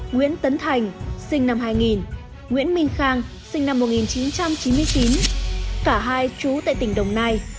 nguyễn tấn thành sinh năm hai nghìn nguyễn minh khang sinh năm một nghìn chín trăm chín mươi chín cả hai chú tại tỉnh đồng nai